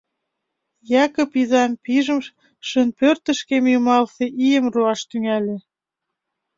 Якып изам пижшын портышкем йымалсе ийым руаш тӱҥале.